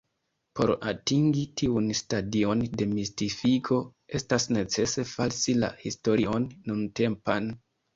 Por atingi tiun stadion de mistifiko, estas necese falsi la historion nuntempan.